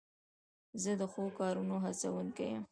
زه د ښو کارونو هڅوونکی یم.